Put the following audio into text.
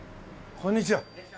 こんにちは。